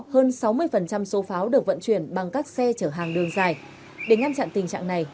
hơn sáu mươi số pháo được vận chuyển bằng các xe chở hàng đường dài để ngăn chặn tình trạng này